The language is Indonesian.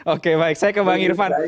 oke baik saya ke bang irvan